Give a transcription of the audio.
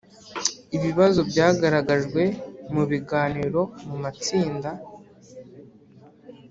Ibibazo byagaragajwe mu biganiro mu matsinda